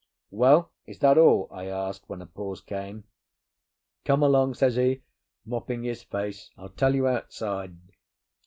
"Well, is that all?" I asked, when a pause came. "Come along," says he, mopping his face; "I'll tell you outside."